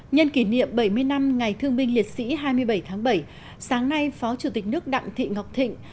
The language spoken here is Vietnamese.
nhân kỷ niệm bảy mươi năm ngày thương binh liệt sĩ hai mươi bảy tháng bảy sáng nay phó chủ tịch nước đặng thị ngọc thịnh